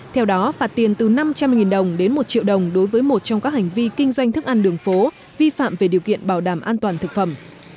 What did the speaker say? theo đó phạt tiền từ năm trăm linh đồng đến một triệu đồng đối với một trong các hành vi kinh doanh thức ăn đường phố vi phạm về điều kiện bảo đảm an toàn thực phẩm